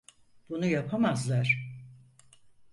Bunu yapamazlar.